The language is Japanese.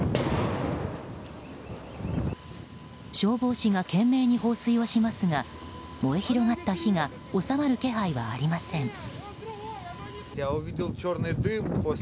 消防士が懸命に放水をしますが燃え広がった火は収まる気配はありません。